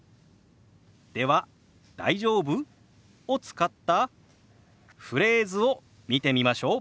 では「大丈夫？」を使ったフレーズを見てみましょう。